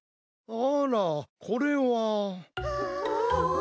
あらこれは。